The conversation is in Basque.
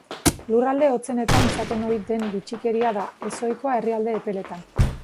Lurralde hotzenetan izaten ohi den bitxikeria da, ezohikoa herrialde epeletan.